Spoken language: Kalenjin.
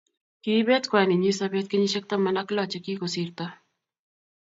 kiibet kwaninyi sobeet kenyishek taman ak lo chekikosirto